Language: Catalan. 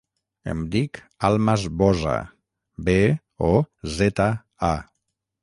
Em dic Almas Boza: be, o, zeta, a.